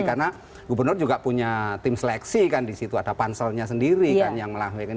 karena gubernur juga punya tim seleksi kan di situ ada panselnya sendiri kan yang melahirkan